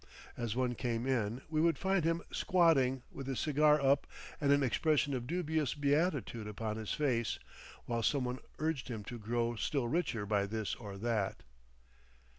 As one came in we would find him squatting with his cigar up and an expression of dubious beatitude upon his face, while some one urged him to grow still richer by this or that.